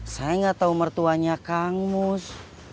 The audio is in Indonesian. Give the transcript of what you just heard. saya nggak tahu mertuanya kang mus